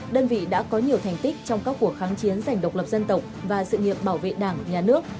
đơn vị đã có nhiều thành tích trong các cuộc kháng chiến dành độc lập dân tộc và sự nghiệp bảo vệ đảng nhà nước